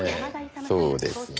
そうですね。